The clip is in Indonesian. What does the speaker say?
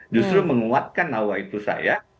justru menguatkan lawa itu saya